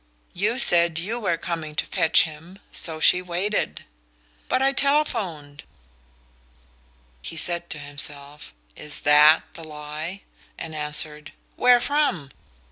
"You said you were coming to fetch him, so she waited." "But I telephoned " He said to himself: "Is THAT the lie?" and answered: "Where from?"